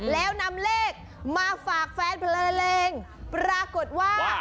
แล้วนำเลขมาฝากแฟนเพลงปรากฏว่า